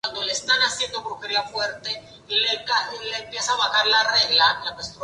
Se lleva bien con Izabella y todas partes del mundo con los otros Autobots.